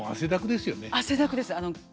汗だくです。